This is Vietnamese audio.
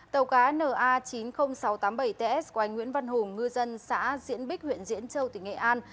tàu cá na chín mươi nghìn sáu trăm tám mươi bảy ts của anh nguyễn văn hùng ngư dân xã diễn bích huyện diễn châu tỉnh nghệ an